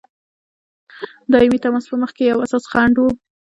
دایمي تماس په مخکي یو اساسي خنډ وو.